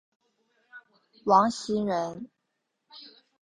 王袭人。